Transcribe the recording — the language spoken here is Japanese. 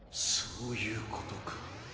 そういうことか。